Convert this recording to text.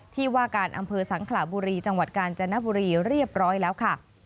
ที่ว่าการอำเภอสังขลาบุรีจังหวัดกาญจนบุรีเรียบร้อยแล้วค่ะ